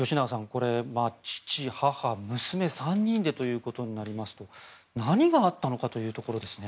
これ、父、母娘３人でとなりますと何があったのかというところですね。